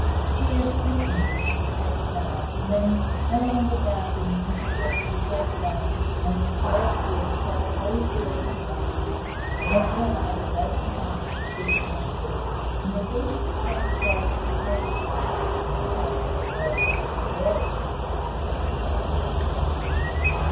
Tears glistened in Mrs Shepherd's eyes, and then, no longer doubting that Mrs Shepherd would break down and in a flow of tears tell the whole story of her life, Ethel allowed a note of triumph to creep into her voice, and before she could stop herself she said, 'And that little girl is the heiress of Appleton Park.'